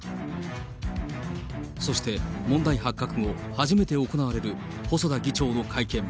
そして問題発覚後、初めて行われる細田議長の会見。